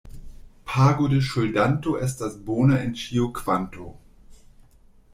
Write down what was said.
Pago de ŝuldanto estas bona en ĉiu kvanto.